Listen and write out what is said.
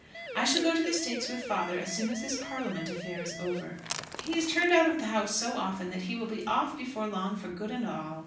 I shall go to the States with father as soon as this Parliament affair is over. He is turned out of the House so often that he will be off before long for good and all.